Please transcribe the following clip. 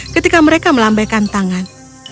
ketika mereka melambaikan tangan